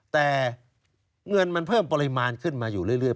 แต่เงินมันเพิ่มปริมาณขึ้นมาอยู่เรื่อย